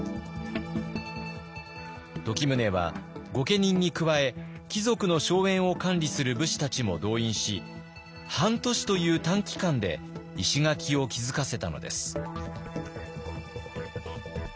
時宗は御家人に加え貴族の荘園を管理する武士たちも動員し半年という短期間で石垣を築かせたのです。